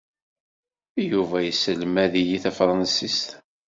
Yuba yesselmad-iyi tafṛensist.